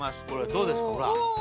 どうですかほら。